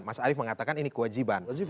mas arief mengatakan ini kewajiban